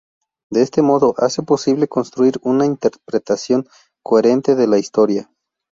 De este modo, hace posible construir una interpretación coherente de la historia.